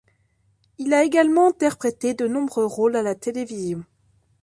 Il a également interprété de nombreux rôles à la télévision.